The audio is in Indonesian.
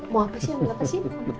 mau apa sih